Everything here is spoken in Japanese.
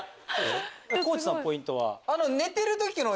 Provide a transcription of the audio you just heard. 地さんポイントは？